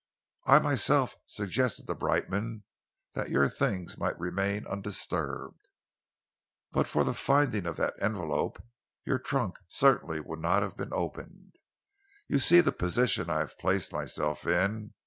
I myself suggested to Brightman that your things might remain undisturbed. But for the finding of that envelope, your trunk would certainly not have been opened. You see the position I have placed myself in.